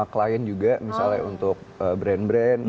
klien juga misalnya untuk brand brand